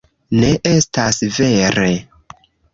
Ne, estas vere